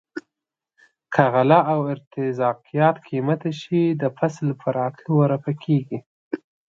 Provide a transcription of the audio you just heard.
که غله او ارتزاقیات قیمته شي د فصل په راتلو رفع کیږي.